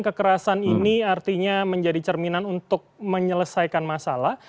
kekerasan ini artinya menjadi cerminan untuk menyelesaikan masalah